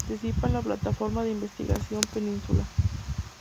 Participa en la plataforma de investigación “Península.